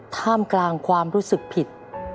ท่ามกลางความรู้สึกผิด